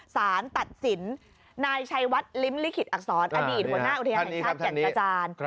สารตัดสินนายชัยวัดลิ้มลิขิตอักษรอดีตหัวหน้าอุทยานแห่งชาติแก่งกระจาน